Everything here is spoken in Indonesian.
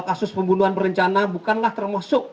kasus pembunuhan berencana bukanlah termasuk